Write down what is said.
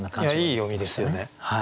いい読みですよね。